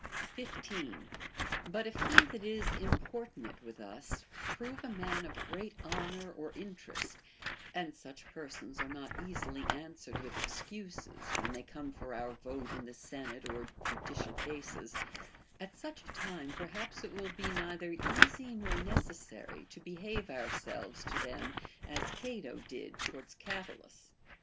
15. But if he that is importunate with us prove a man of great honor or interest (and such persons are not easily answered with excuses, when they come for our vote in the senate or judicial cases), at such a time perhaps it will be neither easy nor necessary to behave ourselves to them as C'ato did towards Catulus.